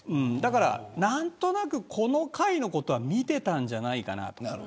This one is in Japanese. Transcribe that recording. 何となくこの会のことは見ていたんじゃないかなと。